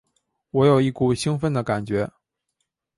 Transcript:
我有一股兴奋的感觉